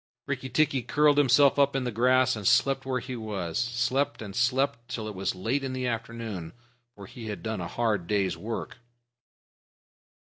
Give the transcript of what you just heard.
Rikki tikki curled himself up in the grass and slept where he was slept and slept till it was late in the afternoon, for he had done a hard day's work.